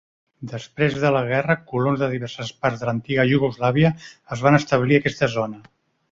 Després de la guerra, colons de diverses parts de l'antiga Iugoslàvia es van establir aquesta zona.